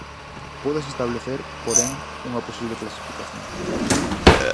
Pódese establecer, porén, unha posible clasificación.